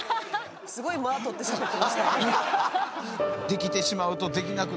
すごい間取ってしゃべってましたけど。